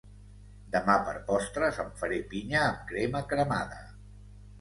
Demà per postres em faré pinya amb crema cremada